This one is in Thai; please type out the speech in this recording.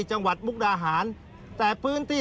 จังหวัดมุกดาหารแต่พื้นที่